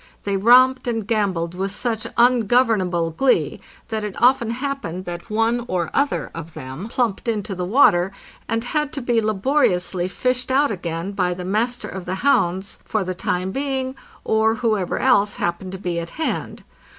They romped and gambolled with such ungovernable glee that it often hap pened that one or other of them plumped into the water, and had to be laboriously fished out again by tne Master of the Hounds for the time being or whoever else happened to be at hand.